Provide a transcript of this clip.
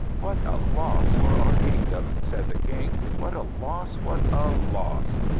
"What a loss for our kingdom," said the King; "what a loss! what a loss!